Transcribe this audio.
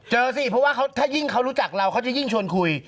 สิเพราะว่าถ้ายิ่งเขารู้จักเราเขาจะยิ่งชวนคุย